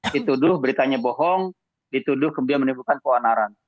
dituduh beritanya bohong dituduh kemudian menipukan kewanaran